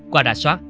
qua đà soát